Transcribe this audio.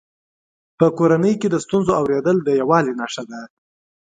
په کورنۍ کې د ستونزو اورېدل د یووالي نښه ده.